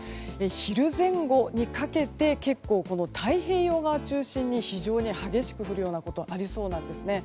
昼前後にかけて結構、太平洋側中心に非常に激しく降ることがありそうです。